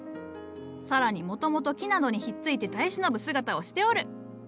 更にもともと木などにひっついて耐え忍ぶ姿をしておる。